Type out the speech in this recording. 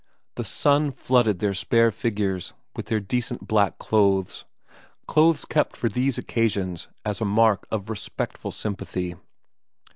The sun flooded their spare figures and their decent black clothes, clothes kept for these occasions as a mark of respectful sympathy.